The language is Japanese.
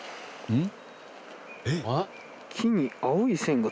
うん。